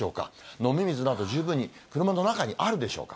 飲み水など十分に車の中にあるでしょうか？